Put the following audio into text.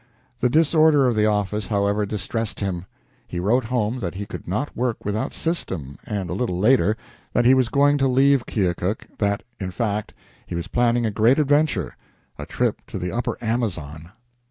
The disorder of the office, however, distressed him. He wrote home that he could not work without system, and, a little later, that he was going to leave Keokuk, that, in fact, he was planning a great adventure a trip to the upper Amazon!